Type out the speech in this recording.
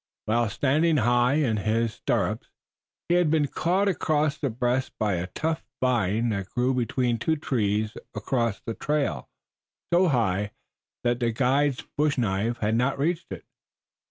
While standing high in his stirrups he had been caught across the breast by a tough vine that grew between two trees across the trail, so high that the guide's bush knife had not reached it.